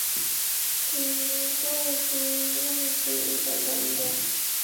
뒤에서 부르는 소리가 난다.